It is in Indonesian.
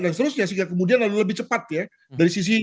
dan seterusnya sehingga kemudian lalu lebih cepat ya